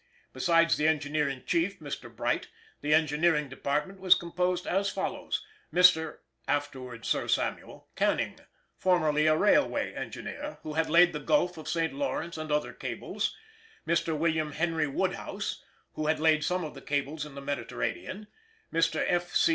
Besides the engineer in chief (Mr. Bright), the engineering department was composed as follows: Mr. (afterward Sir Samuel) Canning, formerly a railway engineer, who had laid the Gulf of St. Lawrence and other cables; Mr. William Henry Woodhouse, who had laid some of the cables in the Mediterranean; Mr. F. C.